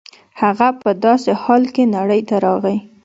هغه په داسې حال کې نړۍ ته راغی